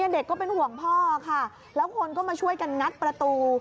เด็กก็เป็นห่วงพ่อค่ะแล้วคนก็มาช่วยกันงัดประตู